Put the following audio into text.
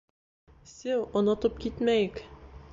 Сеү, онотоп китмәйек.